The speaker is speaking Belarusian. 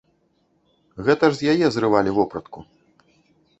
Гэта ж з яе зрывалі вопратку.